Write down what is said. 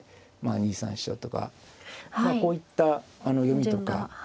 ２三飛車とかこういった読みとか。